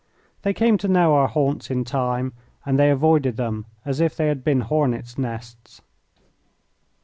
They came to know our haunts in time, and they avoided them as if they had been hornets' nests.